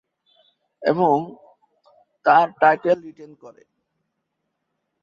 এবং তার title retain করে।